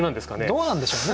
どうなんでしょうね。